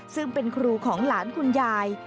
ซึ่งเป็นครูของหลานคุณยาย